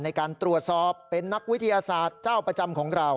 ในการตรวจสอบเป็นนักวิทยาศาสตร์เจ้าประจำของเรา